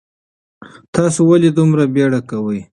تاسو ولې دومره بیړه کوئ؟